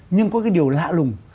nhưng có cái điều lạ lùng